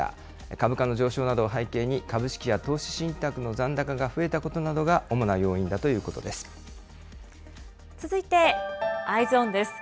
株価の上昇などを背景に、株式や投資信託の残高が増えたことなど続いてＥｙｅｓｏｎです。